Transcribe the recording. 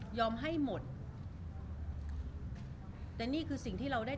รูปนั้นผมก็เป็นคนถ่ายเองเคลียร์กับเรา